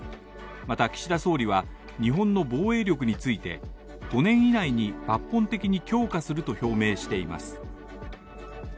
また岸田総理は、日本の防衛力について５年以内に、抜本的に強化すると表明しています。